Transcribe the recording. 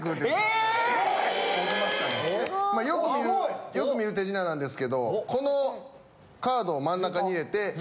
・よく見る手品なんですけどこのカードを真ん中に入れて。